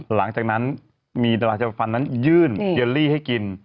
หลังจากนั้นมีดาราชายฟันนั้นยื่นเยลลี่ให้กิน